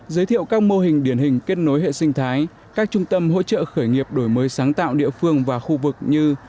giới thiệu các mô hình điển hình kết nối hệ sinh thái các trung tâm hỗ trợ khởi nghiệp đổi mới sáng tạo địa phương và khu vực như